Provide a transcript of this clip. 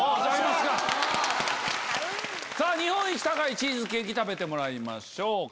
さぁ日本一高いチーズケーキ食べてもらいましょう。